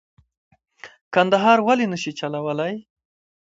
کندهار ولې نه شي چلولای.